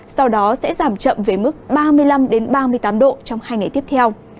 sau đó sẽ giảm chậm về mức ba mươi năm ba mươi tám độ trong hai ngày tiếp theo